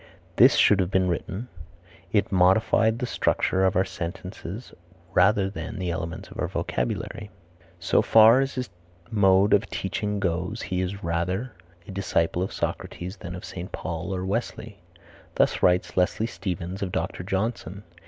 This should have been written, "It modified the structure of our sentences rather than the elements of our vocabulary." "So far as his mode of teaching goes he is rather a disciple of Socrates than of St. Paul or Wesley." Thus writes Leslie Stephens of Dr. Johnson.